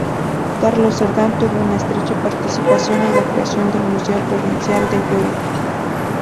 Carlos Cerdán tuvo una estrecha participación en la creación del Museo Provincial de Huelva.